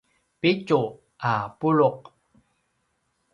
pitju a pulu’